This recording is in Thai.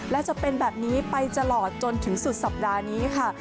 และจะเป็นแบบนี้ไปตลอดจนถึงสุดสัปดาห์นี้ค่ะ